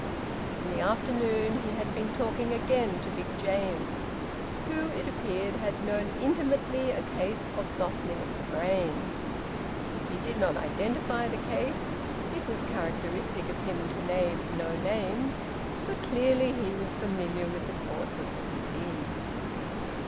In the afternoon he had been talking again to Big James, who, it appeared, had known intimately a case of softening of the brain. He did not identify the case it was characteristic of him to name no names but clearly he was familiar with the course of the disease.